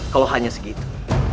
kalau hanya segitu